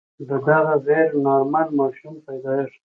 د دغه غیر نارمل ماشوم پیدایښت.